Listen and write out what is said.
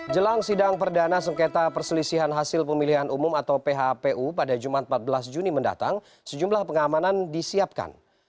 jelang sidang perdana sengketa perselisihan hasil pemilihan umum atau phpu pada jumat empat belas juni mendatang sejumlah pengamanan disiapkan